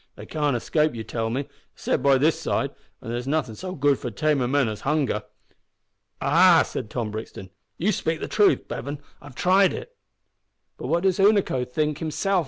"They can't escape, you tell me, except by this side, and there's nothin' so good for tamin' men as hunger." "Ah!" said Tom Brixton, "you speak the truth, Bevan; I have tried it." "But what does Unaco himself think?"